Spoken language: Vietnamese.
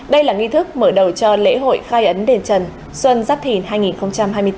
đây là nghi thức mở đầu cho lễ hội khai ấn đền trần xuân giáp thìn hai nghìn hai mươi bốn